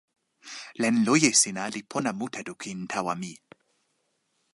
len loje sina li pona mute lukin tawa mi.